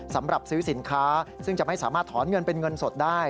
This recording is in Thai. สำหรับซื้อสินค้าซึ่งจะไม่สามารถถอนเงินเป็นเงินสดได้